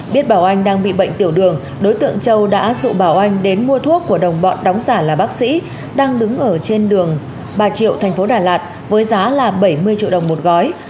biết bảo anh đang bị bệnh tiểu đường đối tượng châu đã rủ bảo anh đến mua thuốc của đồng bọn đóng giả là bác sĩ đang đứng ở trên đường bà triệu thành phố đà lạt với giá là bảy mươi triệu đồng một gói